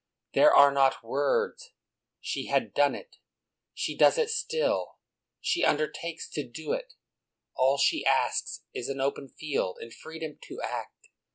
These are not words; she had done it, she does it still, she un dertakes to do it. All she asks is an open field, and freedom to act.